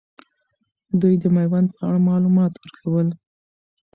دوي د میوند په اړه معلومات ورکول.